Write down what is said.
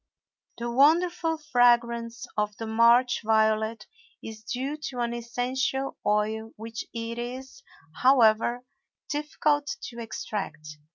The wonderful fragrance of the March violet is due to an essential oil which it is, however, difficult to extract.